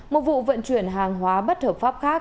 một vụ vận chuyển hàng hóa bất hợp pháp khác